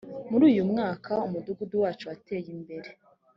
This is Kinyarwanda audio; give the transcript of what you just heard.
muri uyu mwaka umudugudu wacu wateye imbere